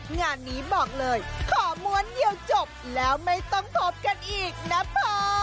งานนี้บอกเลยขอม้วนเดียวจบแล้วไม่ต้องพบกันอีกนะพ่อ